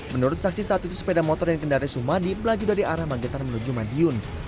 menurut saksi saat itu sepeda motor yang dikendari sumadi melaju dari arah magetan menuju madiun